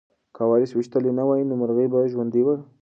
که وارث ویشتلی نه وای نو مرغۍ به ژوندۍ وه.